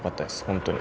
本当に。